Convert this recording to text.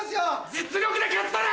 実力で勝ち取れ！